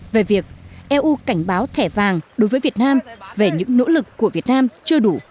về việc eu cảnh báo thẻ vàng đối với việt nam về những nỗ lực của việt nam chưa đủ